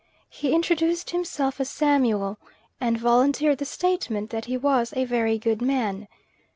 He introduced himself as Samuel, and volunteered the statement that he was "a very good man."